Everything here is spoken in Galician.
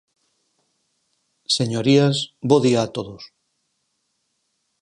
Señorías, bo día a todos.